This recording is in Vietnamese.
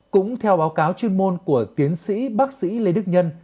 cũng theo báo cáo chuyên môn của tiến sĩ bác sĩ lê đức nhân